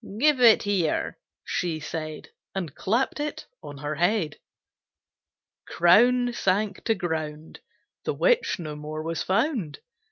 "Give it here!" she said, And clapt it on her head. Crown sank to ground; The Witch no more was found.